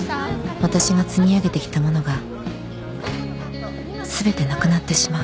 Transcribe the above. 私が積み上げてきたものが全てなくなってしまう